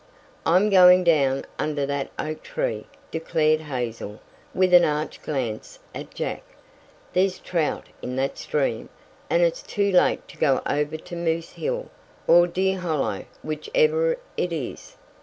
"I'm going down under that oak tree," declared Hazel, with an arch glance at Jack. "There's trout in that stream, and it's too late to go over to Moose Hill, or Deer Hollow which ever it is."